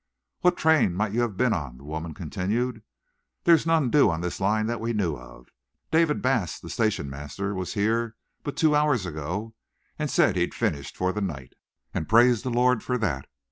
"What train might you have been on?" the woman continued. "There's none due on this line that we knew of. David Bass, the station master, was here but two hours ago and said he'd finished for the night, and praised the Lord for that.